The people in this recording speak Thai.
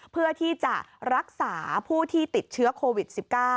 เพื่อที่จะรักษาผู้ที่ติดเชื้อโควิด๑๙